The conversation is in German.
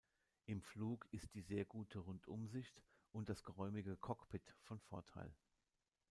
Im Flug ist die sehr gute Rundumsicht und das geräumige Cockpit von Vorteil.